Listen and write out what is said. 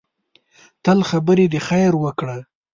تل خبرې د خیر وکړه